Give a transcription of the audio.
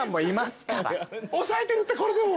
抑えてるってこれでも。